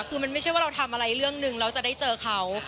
คือมันไม่ใช่ว่าเราทำอะไรเรื่องนึงแล้วจะได้เจอเขา